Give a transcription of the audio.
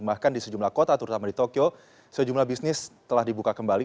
bahkan di sejumlah kota terutama di tokyo sejumlah bisnis telah dibuka kembali